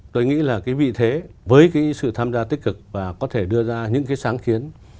tôi nghĩ là cái vị thế với cái sự tham gia tích cực và có thể đưa ra những cái sáng kiến